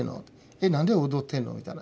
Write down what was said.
えなんで踊ってんの？みたいな。